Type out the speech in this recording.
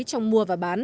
trong mua và bán